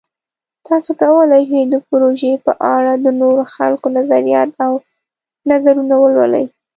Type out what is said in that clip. تاسو کولی شئ د پروژې په اړه د نورو خلکو نظریات او نظرونه ولولئ.